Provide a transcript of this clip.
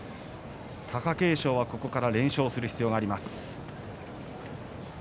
貴景勝はここから連勝する必要があります。